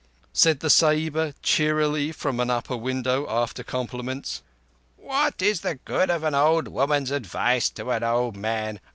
Said the Sahiba cheerily from an upper window, after compliments: "What is the good of an old woman's advice to an old man?